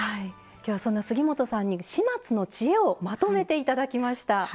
きょうはそんな杉本さんに始末の知恵をまとめていただきました。